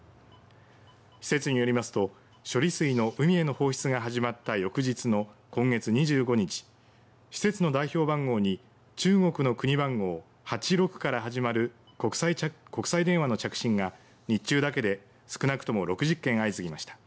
施設によりますと、処理水の海への放出が始まった翌日の今月２５日施設の代表番号に中国の国番号８６から始まる国際電話の着信が日中だけで少なくとも６０件相次ぎました。